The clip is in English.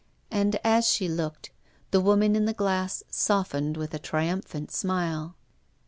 And, as she looked, the woman in the glass softened with a triumphant smile.